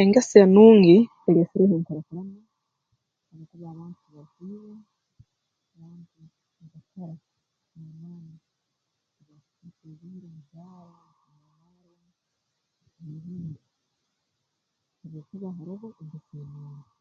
Engeso enungi ireesereho enkurakurana habwokuba abantu tibarukwiba abantu nibakora n'amaani tibarukusiisa obwire mu bbaara mu kunywa amarwa n'ebindi habwokuba haroho engeso enungi